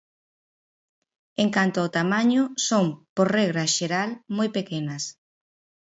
En canto ao tamaño, son, por regra xeral, moi pequenas.